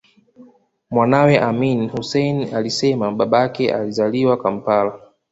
Mwanawe Amin Hussein alisema babake alizaliwa Kampala